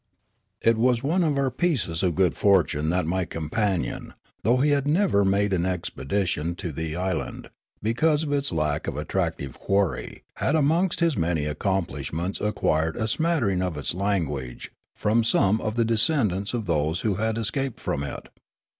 It was one of our pieces of good fortune that my companion, though he had never made an expedition to the island, because of its lack of attractive quarry, had amongst his many accomplishments acquired a smattering of its language from some of the descendants of those who had escaped from it.